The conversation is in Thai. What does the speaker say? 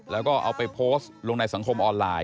แล้วก็เอาไปโพสต์ลงในสังคมออนไลน์